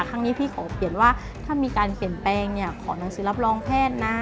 ครั้งนี้พี่ขอเปลี่ยนว่าถ้ามีการเปลี่ยนแปลงเนี่ยขอหนังสือรับรองแพทย์นะ